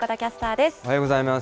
おはようございます。